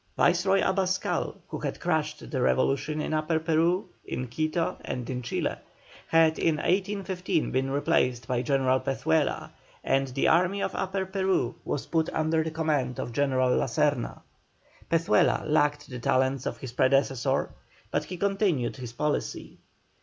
Viceroy Abascal, who had crushed the revolution in Upper Peru, in Quito, and in Chile, had in 1815 been replaced by General Pezuela, and the army of Upper Peru was put under the command of General La Serna. Pezuela lacked the talents of his predecessor but he continued his policy.